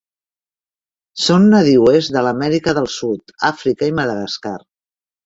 Són nadiues de l'Amèrica del Sud, Àfrica i Madagascar.